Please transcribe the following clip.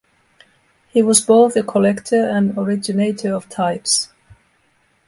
He was both a collector and originator of types.